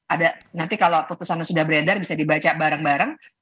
ada nanti kalau putusannya sudah beredar bisa dibaca bareng bareng